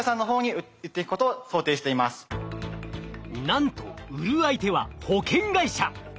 なんと売る相手は保険会社！